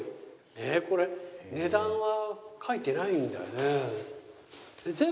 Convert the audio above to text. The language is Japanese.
えこれ値段は書いてないんだよね？